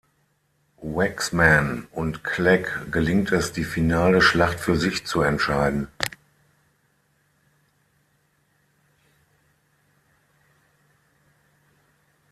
Waxman und Clegg gelingt es die finale Schlacht für sich zu entscheiden.